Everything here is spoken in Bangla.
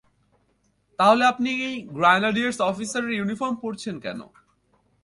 তাহলে আপনি গ্র্যানাডিয়ার্স অফিসারের ইউনিফর্ম পরেছেন কেন?